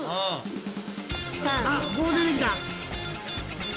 あっ棒出てきた。